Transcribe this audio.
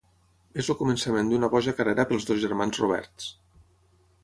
És el començament d'una boja carrera pels dos germans Roberts.